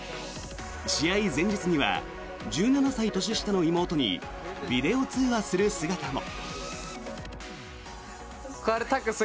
試合前日には１７歳年下の妹にビデオ通話する姿も。